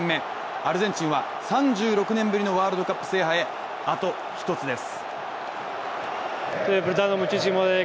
アルゼンチンは３６年ぶりのワールドカップ制覇へ、あと一つです。